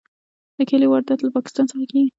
د کیلې واردات له پاکستان څخه کیږي.